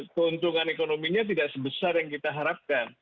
keuntungan ekonominya tidak sebesar yang kita harapkan